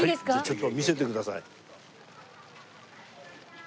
ちょっと見せてください。